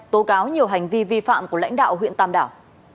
tố cáo nhiều hành vi vi phạm của lãnh đạo huyện tam đảo